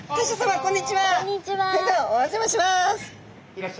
こんにちは。